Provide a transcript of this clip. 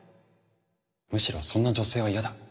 むしろそんな女性は嫌だ。